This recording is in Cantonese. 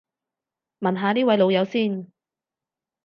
問下呢位老友先